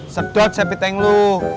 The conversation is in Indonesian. sedot sepik teng lo